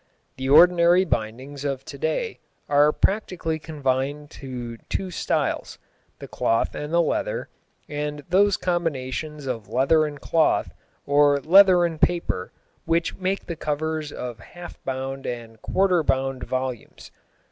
The ordinary bindings of to day are practically confined to two styles, the cloth and the leather, and those combinations of leather and cloth or leather and paper which make the covers of half bound and quarter bound volumes.